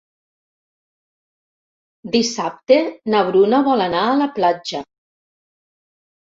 Dissabte na Bruna vol anar a la platja.